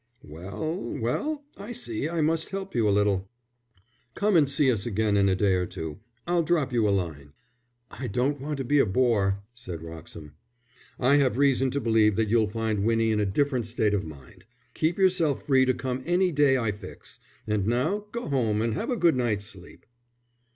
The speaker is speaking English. "Well, well, I see I must help you a little. Come and see us again in a day or two. I'll drop you a line." "I don't want to be a bore," said Wroxham. "I have reason to believe that you'll find Winnie in a different state of mind. Keep yourself free to come any day I fix. And now go home and have a good night's sleep."